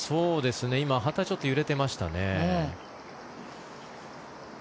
今、旗がちょっと揺れていましたね。